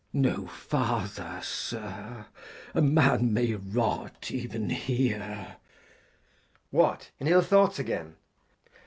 Glost. No farther, Sir, a Man may rot, even here. Edg. What ! In ill Thoughts again